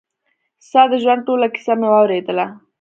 ستا د ژوند ټوله کيسه مې واورېدله.